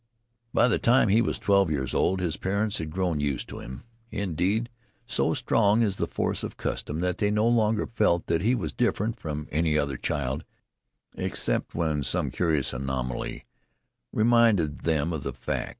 By the time he was twelve years old his parents had grown used to him. Indeed, so strong is the force of custom that they no longer felt that he was different from any other child except when some curious anomaly reminded them of the fact.